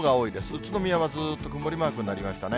宇都宮はずーっと曇りマークになりましたね。